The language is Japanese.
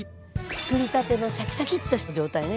つくりたてのシャキシャキッとした状態ね。